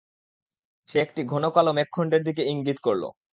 সে একটি ঘন কাল মেঘখণ্ডের দিকে ইংগিত করল।